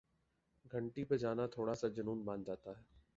گھنٹی بجانا تھوڑا سا جنون بن جاتا ہے